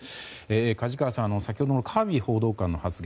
梶川さん先ほどのカービー報道官の発言